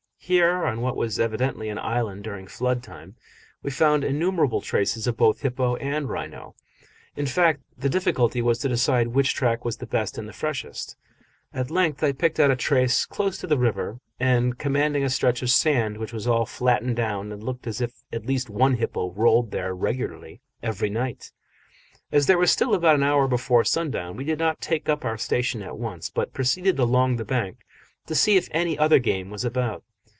Here, on what was evidently an island during flood time, we found innumerable traces of both hippo and rhino in fact the difficulty was to decide which track was the best and freshest. At length I picked out a tree close to the river and commanding a stretch of sand which was all flattened down and looked as if at least one hippo rolled there regularly every night. As there was still about an hour before sundown, we did not take up our station at once, but proceeded along the bank to see if any other game was about.